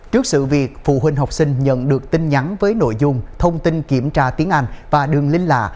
trước sự việc phụ huynh học sinh nhận được tin nhắn với nội dung thông tin kiểm tra tiếng anh và đường linh lạ